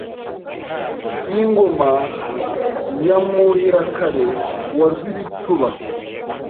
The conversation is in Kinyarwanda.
Iyi ngoma ya Mwuhirakare wa Rwibicuba